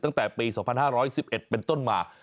ตั้งแต่ปี๒๕๑๑เป็นต้นมา